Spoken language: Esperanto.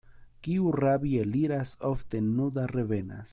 Kiu rabi eliras, ofte nuda revenas.